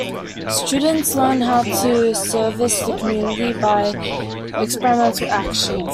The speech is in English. Students learn how to service the community by experimental actions.